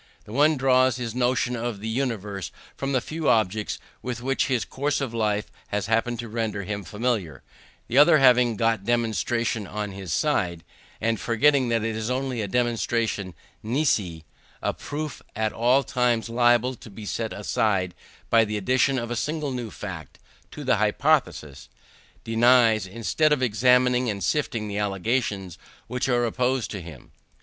The one draws his notion of the universe from the few objects with which his course of life has happened to render him familiar; the other having got demonstration on his side, and forgetting that it is only a demonstration nisi a proof at all times liable to be set aside by the addition of a single new fact to the hypothesis denies, instead of examining and sifting, the allegations which are opposed to him.